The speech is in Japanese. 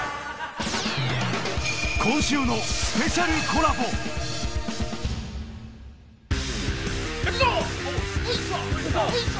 今週のスペシャルコラボいくぞ！